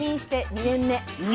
２年目。